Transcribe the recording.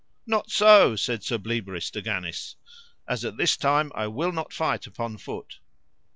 Not so, said Sir Bleoberis de Ganis, as at this time I will not fight upon foot.